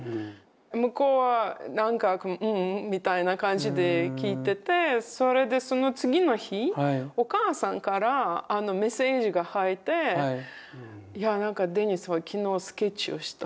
向こうはなんか「うん」みたいな感じで聞いててそれでその次の日お母さんからメッセージが入っていやなんかデニスは昨日スケッチをした。